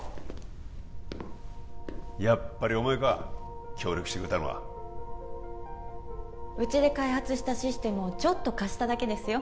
やっぱりお前か協力してくれたのはうちで開発したシステムをちょっと貸しただけですよ